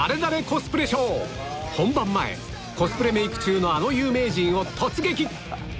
コスプレショー本番前コスプレメイク中のあの有名人を突撃！